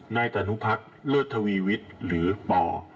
นายตานุพักษ์เลิศทวีวิทย์หรือป่อ